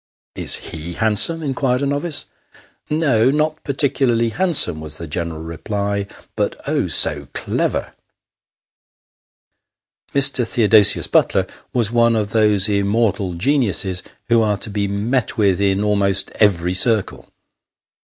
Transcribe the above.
" Is Tie handsome ?" inquired a novice. " No, not particularly handsome," was the general reply ;" but, oh, so clever 1 " Mr. Theodosius Butler was one of those immortal geniuses who are to be met with in almost every circle.